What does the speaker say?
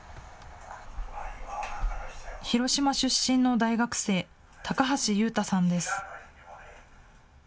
広島出身の大学生、高橋悠太さんです。